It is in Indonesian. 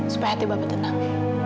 supaya hati bapak tenang